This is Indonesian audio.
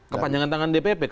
kepanjangan tangan dpp